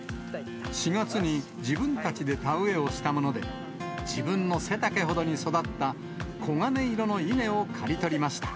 ４月に自分たちで田植えをしたもので、自分の背丈ほどに育った黄金色の稲を刈り取りました。